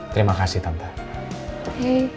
terima kasih tante